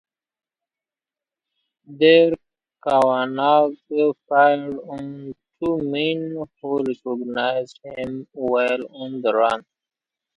There Kavanagh fired on two men who recognized him while on the run.